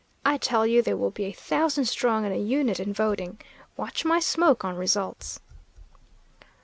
I tell you they will be a thousand strong and a unit in voting. Watch my smoke on results!"